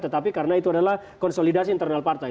tetapi karena itu adalah konsolidasi internal partai